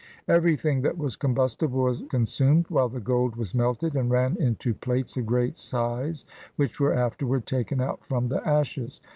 Everything that was combustible was con sumed, while the gold was melted, and ran into plates of great size, which were afterward taken out from the ashes.